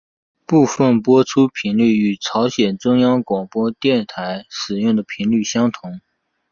部分播出频率与朝鲜中央广播电台使用的频率相同。